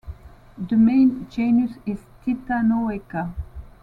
The main genus is "Titanoeca".